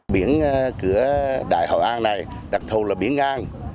biển cửa đại hậu an này đặc thù là biển ngang